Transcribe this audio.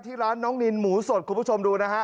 ร้านน้องนินหมูสดคุณผู้ชมดูนะฮะ